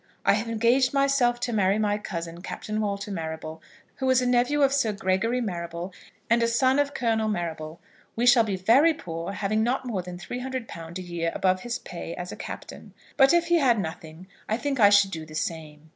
I have engaged myself to marry my cousin, Captain Walter Marrable, who is a nephew of Sir Gregory Marrable, and a son of Colonel Marrable. We shall be very poor, having not more than £300 a year above his pay as a captain; but if he had nothing, I think I should do the same.